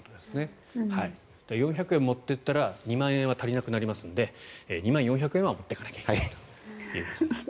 ４００円を持っていったら２万円は足りなくなりますので２万４００円は持っていかないといけない。